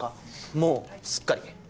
もうすっかり！